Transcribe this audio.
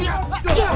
jauh jauh jauh